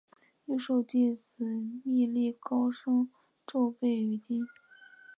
又授弟子觅历高声梵呗于今。